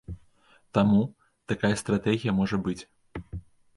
Таму, такая стратэгія можа быць.